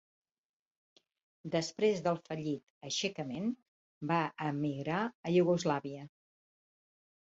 Després del fallit aixecament va emigrar a Iugoslàvia.